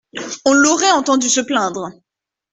On l’aurait entendu se plaindre.